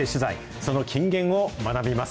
その金言を学びます。